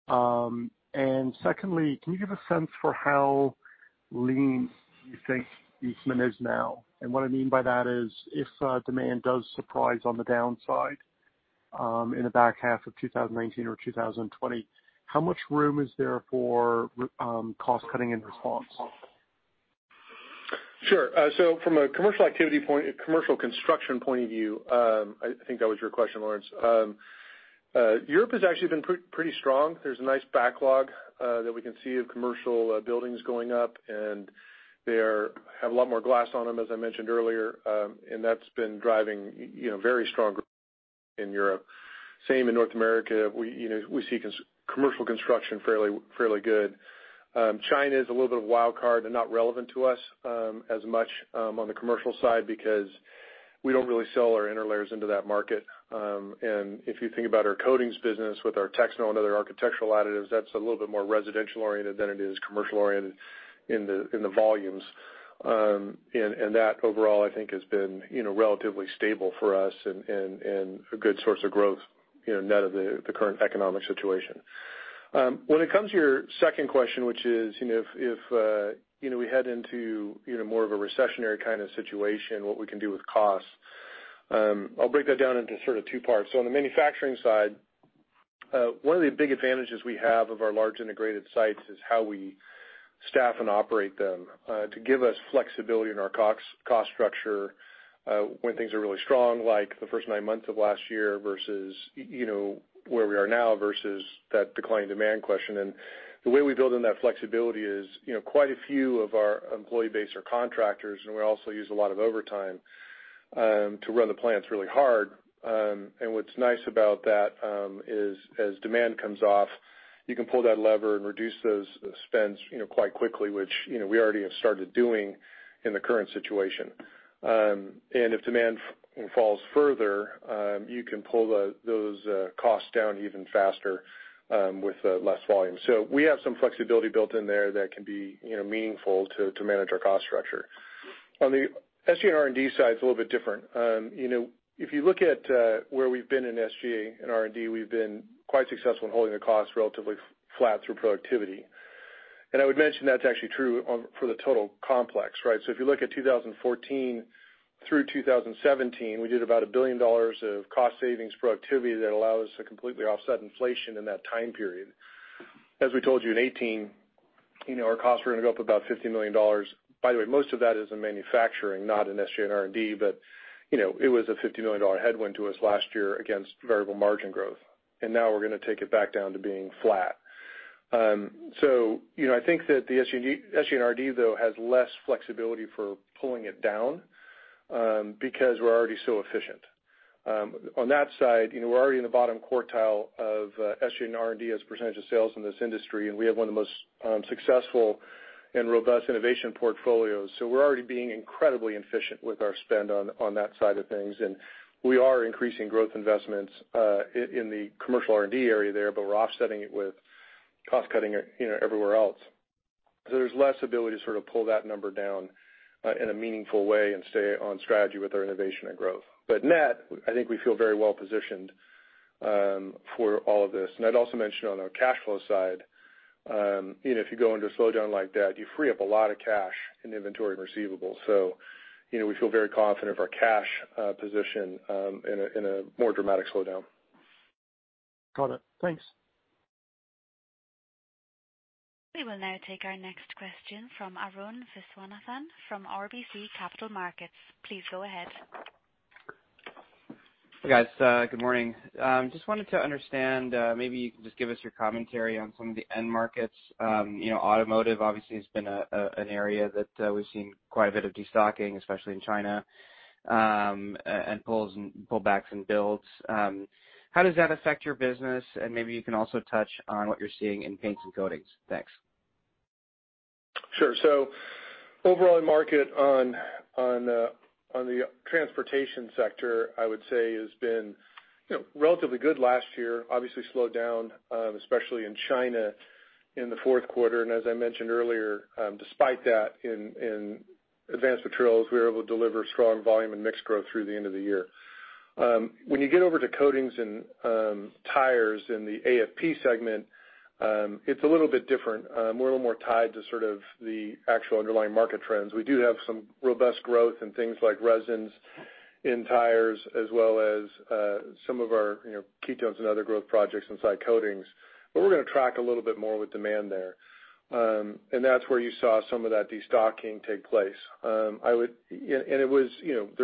Secondly, can you give a sense for how lean you think Eastman is now? What I mean by that is, if demand does surprise on the downside, in the back half of 2019 or 2020, how much room is there for cost cutting in response? Sure. From a commercial construction point of view, I think that was your question, Laurence. Europe has actually been pretty strong. There's a nice backlog that we can see of commercial buildings going up, and they have a lot more glass on them, as I mentioned earlier. That's been driving very strong growth in Europe. Same in North America. We see commercial construction fairly good. China is a little bit of a wild card and not relevant to us, as much on the commercial side because we don't really sell our interlayers into that market. If you think about our coatings business with our Texanol and other architectural additives, that's a little bit more residential oriented than it is commercial oriented in the volumes. That overall, I think has been relatively stable for us and a good source of growth, net of the current economic situation. When it comes to your second question, which is, if we head into more of a recessionary kind of situation, what we can do with costs. I'll break that down into sort of two parts. On the manufacturing side, one of the big advantages we have of our large integrated sites is how we staff and operate them, to give us flexibility in our cost structure, when things are really strong, like the first nine months of last year versus where we are now versus that declining demand question. The way we build in that flexibility is, quite a few of our employee base are contractors, and we also use a lot of overtime, to run the plants really hard. What's nice about that, is as demand comes off, you can pull that lever and reduce those spends quite quickly, which we already have started doing in the current situation. If demand falls further, you can pull those costs down even faster, with less volume. We have some flexibility built in there that can be meaningful to manage our cost structure. On the SG and R&D side, it's a little bit different. If you look at where we've been in SG and R&D, we've been quite successful in holding the costs relatively flat through productivity. I would mention that's actually true for the total complex, right? If you look at 2014 through 2017, we did about $1 billion of cost savings productivity that allowed us to completely offset inflation in that time period. As we told you in 2018, our costs were going to go up about $50 million. By the way, most of that is in manufacturing, not in SG and R&D, but it was a $50 million headwind to us last year against variable margin growth. Now we're going to take it back down to being flat. I think that the SG and R&D, though, has less flexibility for pulling it down, because we're already so efficient. On that side, we're already in the bottom quartile of SG and R&D as a percentage of sales in this industry, and we have one of the most successful and robust innovation portfolios. We're already being incredibly efficient with our spend on that side of things. We are increasing growth investments in the commercial R&D area there, but we're offsetting it with cost cutting everywhere else. There's less ability to sort of pull that number down in a meaningful way and stay on strategy with our innovation and growth. Net, I think we feel very well positioned for all of this. I'd also mention on our cash flow side, if you go into a slowdown like that, you free up a lot of cash in inventory and receivables. We feel very confident of our cash position in a more dramatic slowdown. Got it. Thanks. We will now take our next question from Arun Viswanathan from RBC Capital Markets. Please go ahead. Guys, good morning. Just wanted to understand, maybe you can just give us your commentary on some of the end markets. Automotive obviously has been an area that we've seen quite a bit of destocking, especially in China, and pullbacks and builds. How does that affect your business? Maybe you can also touch on what you're seeing in paints and coatings. Thanks. Sure. Overall market on the transportation sector, I would say, has been relatively good last year. Obviously slowed down, especially in China in the fourth quarter. As I mentioned earlier, despite that in Advanced Materials, we were able to deliver strong volume and mix growth through the end of the year. When you get over to coatings and tires in the AFP segment, it's a little bit different. We're a little more tied to sort of the actual underlying market trends. We do have some robust growth in things like resins in tires as well as some of our ketones and other growth projects inside coatings. We're going to track a little bit more with demand there. That's where you saw some of that destocking take place. There's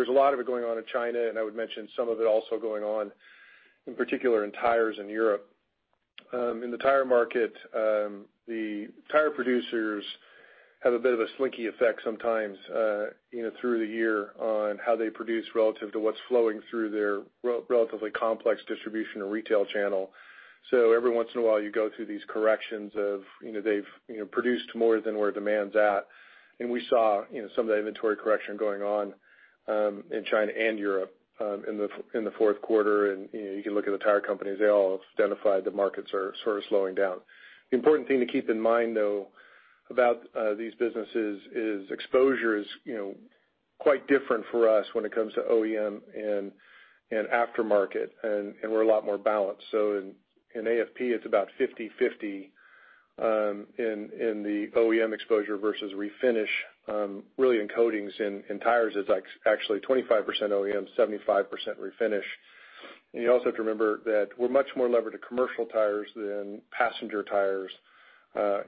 a lot of it going on in China, I would mention some of it also going on, in particular in tires in Europe. In the tire market, the tire producers have a bit of a slinky effect sometimes through the year on how they produce relative to what's flowing through their relatively complex distribution and retail channel. Every once in a while you go through these corrections of they've produced more than where demand's at, we saw some of the inventory correction going on in China and Europe in the fourth quarter. You can look at the tire companies, they all identified the markets are sort of slowing down. The important thing to keep in mind, though, about these businesses is exposure is quite different for us when it comes to OEM and aftermarket, and we're a lot more balanced. In AFP, it's about 50/50 in the OEM exposure versus refinish. Really in coatings and in tires, it's actually 25% OEM, 75% refinish. You also have to remember that we're much more levered to commercial tires than passenger tires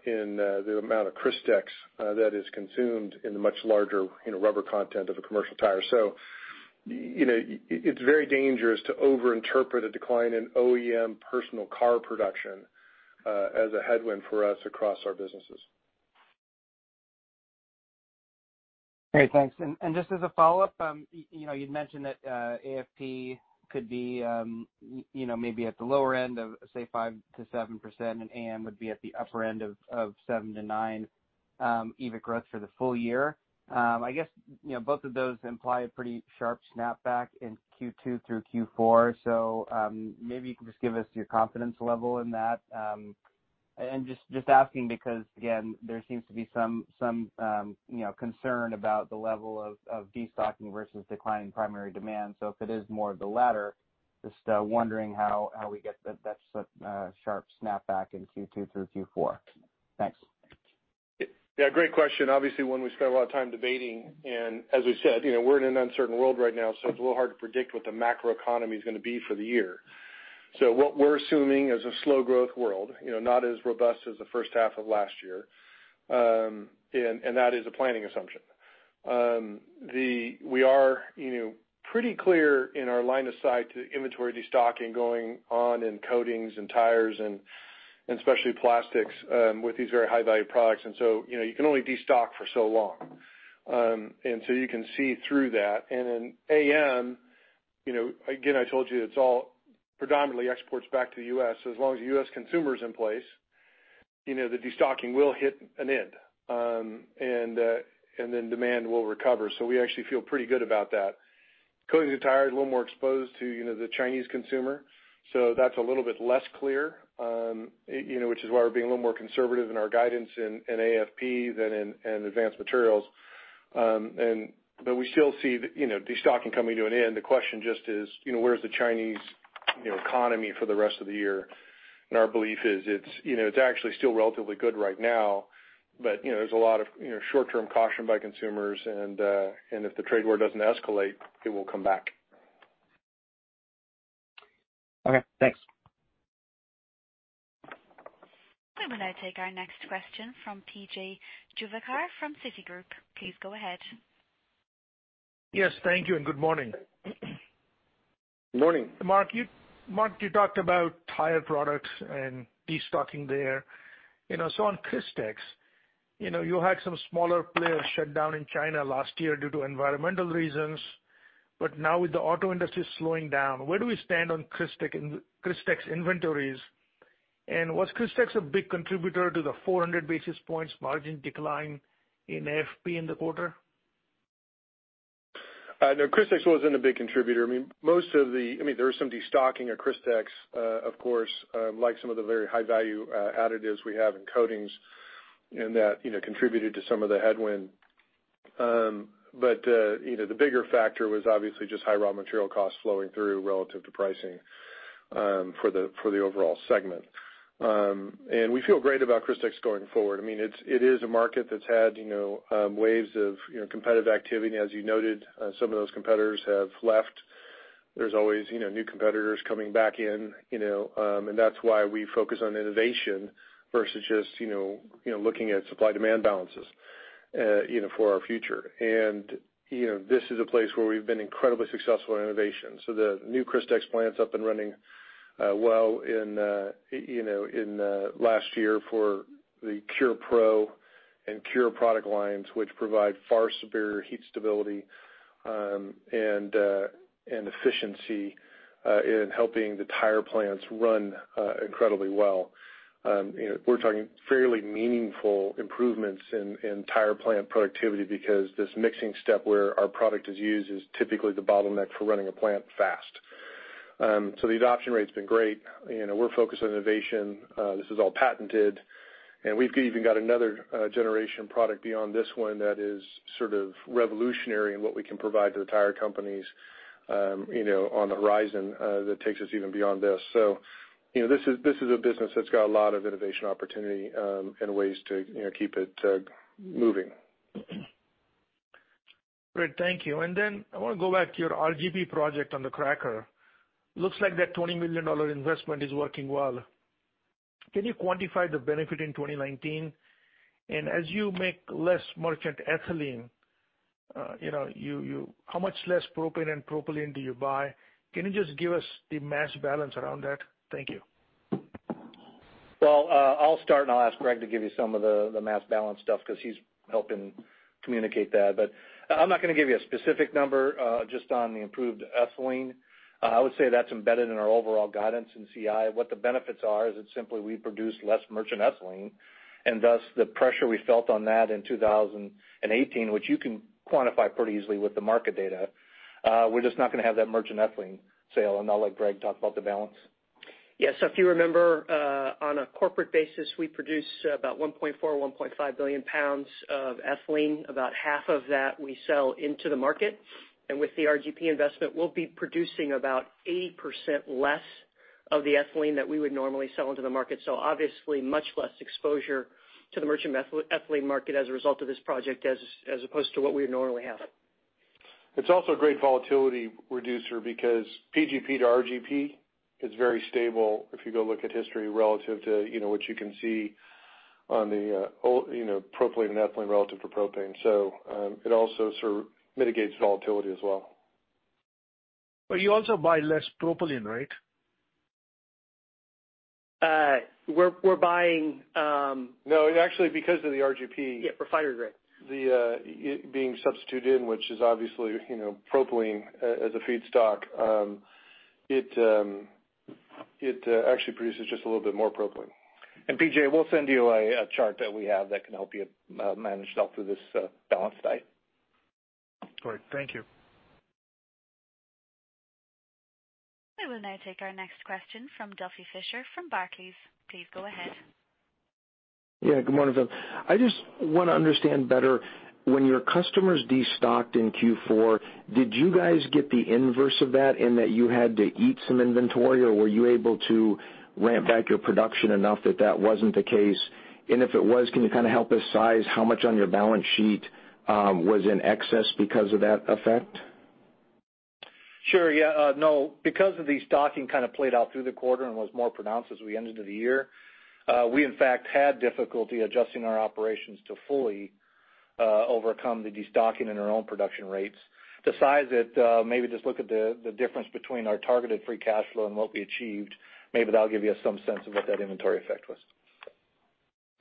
in the amount of Crystex that is consumed in the much larger rubber content of a commercial tire. It's very dangerous to over-interpret a decline in OEM personal car production as a headwind for us across our businesses. Great, thanks. Just as a follow-up, you'd mentioned that AFP could be maybe at the lower end of, say, 5%-7% and AM would be at the upper end of 7%-9% EBIT growth for the full year. I guess both of those imply a pretty sharp snapback in Q2 through Q4. Maybe you can just give us your confidence level in that. Just asking because, again, there seems to be some concern about the level of destocking versus declining primary demand. If it is more of the latter, just wondering how we get that sharp snapback in Q2 through Q4. Thanks. Yeah, great question. Obviously one we spent a lot of time debating, and as we said, we're in an uncertain world right now. It's a little hard to predict what the macroeconomy is going to be for the year. What we're assuming is a slow growth world, not as robust as the first half of last year. That is a planning assumption. We are pretty clear in our line of sight to inventory destocking going on in coatings and tires and specialty plastics with these very high-value products. You can only destock for so long. You can see through that. In AM, again, I told you it's all predominantly exports back to the U.S. As long as the U.S. consumer is in place, the destocking will hit an end, and then demand will recover. We actually feel pretty good about that. Coatings and tires, a little more exposed to the Chinese consumer. That's a little bit less clear, which is why we're being a little more conservative in our guidance in AFP than in Advanced Materials. But we still see destocking coming to an end. The question just is where is the Chinese economy for the rest of the year? Our belief is it's actually still relatively good right now, but there's a lot of short-term caution by consumers, and if the trade war doesn't escalate, it will come back. Okay, thanks. We will now take our next question from P.J. Juvekar from Citigroup. Please go ahead. Yes, thank you and good morning. Morning. Mark, you talked about tire products and destocking there. On Crystex, you had some smaller players shut down in China last year due to environmental reasons. Now with the auto industry slowing down, where do we stand on Crystex inventories? Was Crystex a big contributor to the 400 basis points margin decline in AFP in the quarter? No, Crystex wasn't a big contributor. There was some destocking at Crystex, of course, like some of the very high-value additives we have in coatings, and that contributed to some of the headwind. The bigger factor was obviously just high raw material costs flowing through relative to pricing for the overall segment. We feel great about Crystex going forward. It is a market that's had waves of competitive activity. As you noted, some of those competitors have left. There's always new competitors coming back in, and that's why we focus on innovation versus just looking at supply-demand balances for our future. This is a place where we've been incredibly successful in innovation. The new Crystex plant's up and running well in last year for the Cure Pro and Cure product lines, which provide far superior heat stability and efficiency in helping the tire plants run incredibly well. We're talking fairly meaningful improvements in tire plant productivity because this mixing step where our product is used is typically the bottleneck for running a plant fast. The adoption rate's been great. We're focused on innovation. This is all patented, and we've even got another generation product beyond this one that is sort of revolutionary in what we can provide to the tire companies on the horizon that takes us even beyond this. This is a business that's got a lot of innovation opportunity and ways to keep it moving. Great. Thank you. Then I want to go back to your RGP project on the cracker. Looks like that $20 million investment is working well. Can you quantify the benefit in 2019? As you make less merchant ethylene, how much less propane and propylene do you buy? Can you just give us the mass balance around that? Thank you. Well, I'll start, I'll ask Greg to give you some of the mass balance stuff because he's helping communicate that. I'm not going to give you a specific number just on the improved ethylene. I would say that's embedded in our overall guidance in CI. What the benefits are is it's simply we produce less merchant ethylene, thus, the pressure we felt on that in 2018, which you can quantify pretty easily with the market data. We're just not going to have that merchant ethylene sale, I'll let Greg talk about the balance. Yes. If you remember, on a corporate basis, we produce about 1.4 or 1.5 billion pounds of ethylene. About half of that we sell into the market. With the RGP investment, we'll be producing about 80% less of the ethylene that we would normally sell into the market. Obviously, much less exposure to the merchant ethylene market as a result of this project as opposed to what we would normally have. It's also a great volatility reducer because PGP to RGP is very stable if you go look at history relative to what you can see on the propylene and ethylene relative to propane. It also sort of mitigates volatility as well. You also buy less propylene, right? We're buying- No, actually, because of the RGP. Yeah, for Cure grade being substituted in, which is obviously propylene as a feedstock, it actually produces just a little bit more propylene. P.J., we'll send you a chart that we have that can help you manage through this balance side. Great. Thank you. We will now take our next question from Duffy Fischer from Barclays. Please go ahead. Good morning. I just want to understand better when your customers destocked in Q4, did you guys get the inverse of that in that you had to eat some inventory, or were you able to ramp back your production enough that that wasn't the case? If it was, can you kind of help us size how much on your balance sheet was in excess because of that effect? Sure. Because of destocking kind of played out through the quarter and was more pronounced as we ended the year, we in fact had difficulty adjusting our operations to fully overcome the destocking in our own production rates. The size that maybe just look at the difference between our targeted free cash flow and what we achieved. Maybe that will give you some sense of what that inventory effect was.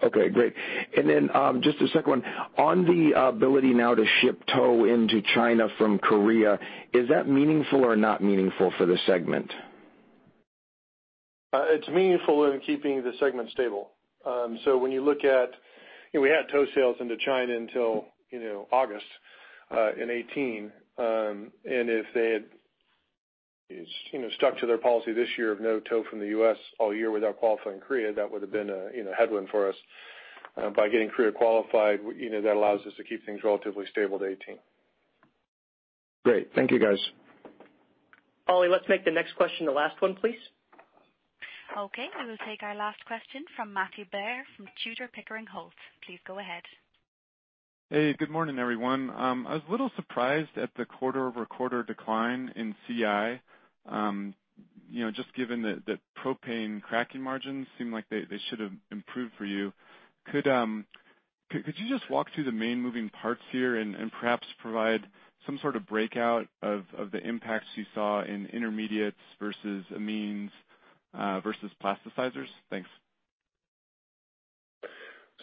Okay. Great. Just a second one. On the ability now to ship tow into China from Korea, is that meaningful or not meaningful for the segment? It's meaningful in keeping the segment stable. We had tow sales into China until August in 2018. If they had stuck to their policy this year of no tow from the U.S. all year without qualifying Korea, that would have been a headwind for us. By getting Korea qualified, that allows us to keep things relatively stable to 2018. Great. Thank you, guys. Holly, let's make the next question the last one, please. Okay. We will take our last question from Matthew Blair from Tudor, Pickering, Holt. Please go ahead. Hey, good morning, everyone. I was a little surprised at the quarter-over-quarter decline in CI. Given that propane cracking margins seem like they should have improved for you. Could you just walk through the main moving parts here and perhaps provide some sort of breakout of the impacts you saw in intermediates versus amines versus plasticizers? Thanks.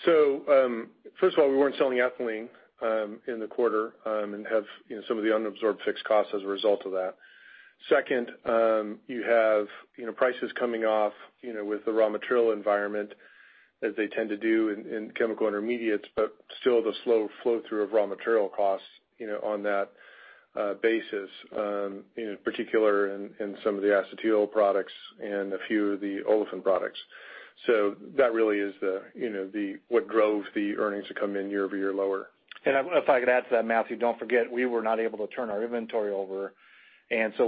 First of all, we weren't selling ethylene in the quarter and have some of the unabsorbed fixed costs as a result of that. Second, you have prices coming off with the raw material environment as they tend to do in Chemical Intermediates, but still the slow flow through of raw material costs on that basis, in particular in some of the acetyl products and a few of the olefin products. That really is what drove the earnings to come in year-over-year lower. If I could add to that, Matthew, don't forget, we were not able to turn our inventory over,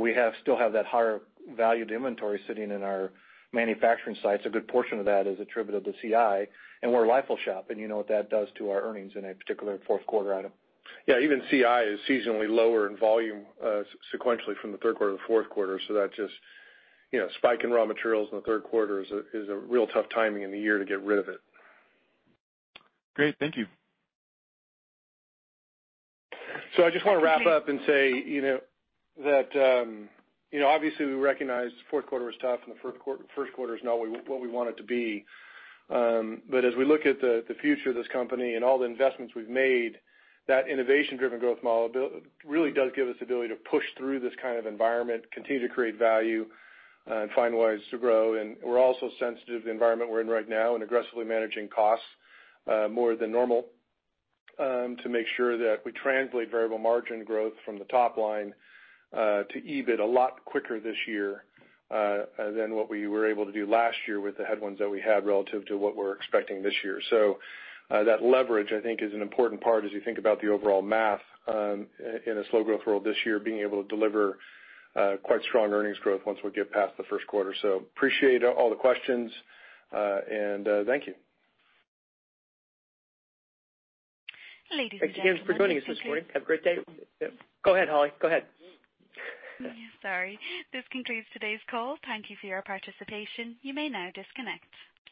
we still have that higher valued inventory sitting in our manufacturing sites. A good portion of that is attributed to CI, we're LIFO shock. You know what that does to our earnings in a particular fourth quarter item. Yeah, even CI is seasonally lower in volume sequentially from the third quarter to fourth quarter. That just spike in raw materials in the third quarter is a real tough timing in the year to get rid of it. Great. Thank you. I just want to wrap up and say that obviously we recognize fourth quarter was tough and the first quarter is not what we want it to be. As we look at the future of this company and all the investments we've made, that innovation-driven growth model really does give us the ability to push through this kind of environment, continue to create value, and find ways to grow. We're also sensitive to the environment we're in right now and aggressively managing costs more than normal to make sure that we translate variable margin growth from the top line to EBIT a lot quicker this year than what we were able to do last year with the headwinds that we had relative to what we're expecting this year. That leverage, I think, is an important part as you think about the overall math in a slow growth world this year, being able to deliver quite strong earnings growth once we get past the first quarter. Appreciate all the questions, and thank you. Ladies and gentlemen. Thanks again for joining us this morning. Have a great day. Go ahead, Holly. Go ahead. Sorry. This concludes today's call. Thank you for your participation. You may now disconnect.